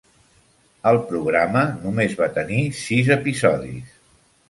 El programa només va tenir sis episodis.